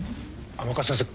甘春先生